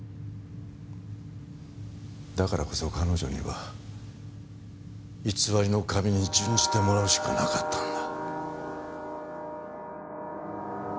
だからこそ彼女には偽りの神に殉じてもらうしかなかったんだ。